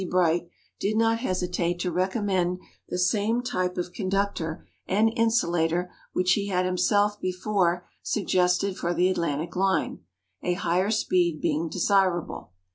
Bright) did not hesitate to recommend the same type of conductor and insulator which he had himself before suggested for the Atlantic line a higher speed being desirable.